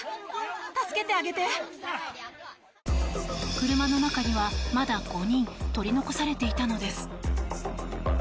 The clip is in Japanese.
車の中には、まだ５人取り残されていたのです。